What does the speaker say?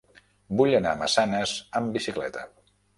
Vull anar a Massanes amb bicicleta.